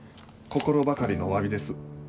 心ばかりのおわびです。